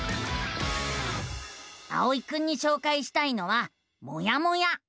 あおいくんにしょうかいしたいのは「もやモ屋」。